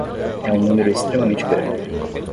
É um número extremamente grande